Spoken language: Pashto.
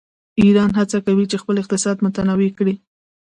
ایران هڅه کوي چې خپل اقتصاد متنوع کړي.